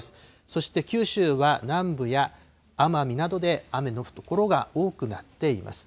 そして九州は南部や奄美などで雨の所が多くなっています。